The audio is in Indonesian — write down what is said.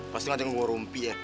pasti gak jenguk warumpi ya